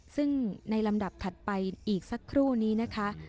ซึ่งในลำดับถัดไปอีกสักครู่นี้นะคะ